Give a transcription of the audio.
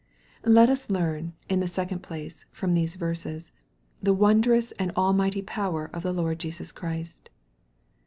Let us learn, in the second place, from these verses, the wondrous and almighty power of the Lord Jesus Christ.